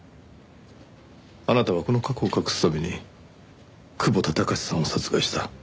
あなたはこの過去を隠すために窪田宗さんを殺害した。